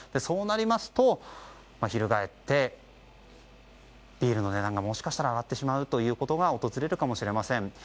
そうなりますと翻って、ビールの値段がもしかしたら上がってしまうということが訪れるかもしれません。